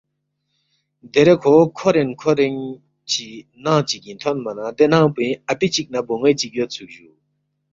دیرے کھو کھورین کھورین چی ننگ چِگِنگ تھونما نہ دے ننگپوینگ اپی چِک نہ بون٘وے چِک یودسُوک جُو